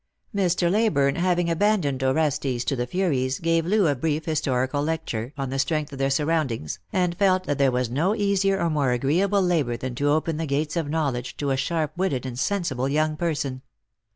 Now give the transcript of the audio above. Mr. Leyburne, having abandoned Orestes to the Furies, gave Loo a brief historical lecture, on the strength of their sur roundings, and felt that there was no easier or more agreeable labour than to open the gates of knowledge to a sharp witted and sensible young person.